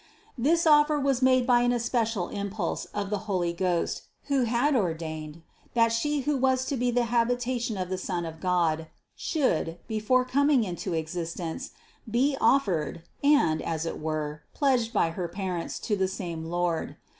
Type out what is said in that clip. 173. This offer was made by an especial impulse of the Holy Ghost, who had ordained, that She who was to be the habitation of the Son of God, should, before com ing into existence, be offered and, as it were, pledged by her parents to the same Lord.